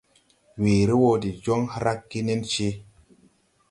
Weere wɔ de joŋ hragge nencee.